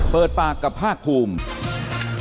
เปิดปากกับภาคภูมิ